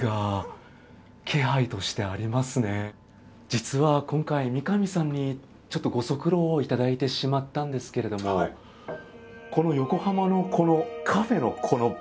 実は今回三上さんにちょっとご足労をいただいてしまったんですけれどもこの横浜のこのカフェのこの部屋なんですけれども。